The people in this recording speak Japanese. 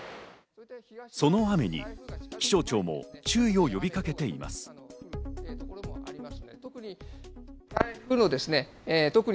その雨に気象庁も注意を呼びかけています。